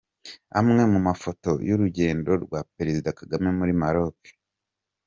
Amwe mu mafoto y’urugendo rwa Perezida Kagame muri Maroc.